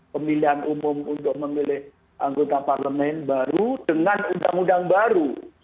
pemilihan umum untuk memilih anggota parlemen baru dengan undang undang baru